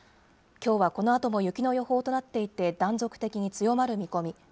きょうはこのあとも雪の予報となっていて、断続的に強まる見込み。